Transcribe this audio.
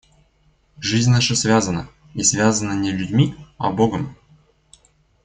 Жизнь наша связана, и связана не людьми, а Богом.